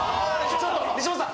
ちょっと西本さん！